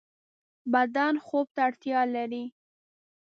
بدن خوب ته اړتیا لری